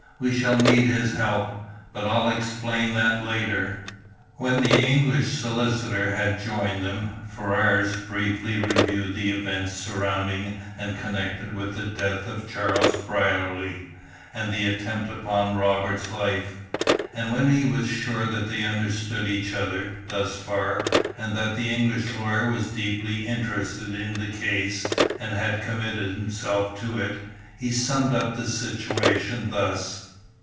We shall need his help, but I'll explain that later." When the English solicitor had joined them, Ferrars briefly reviewed the events surrounding and connected with the death of Charles Brierly, and the attempt upon Robert's life; and when he was sure that they understood each other, thus far, and that the English lawyer was deeply interested in the case and had committed himself to it, he summed up the situation thus.